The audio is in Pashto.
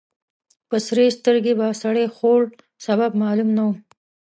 په سرې سترګې به سړی خوړ. سبب معلوم نه و.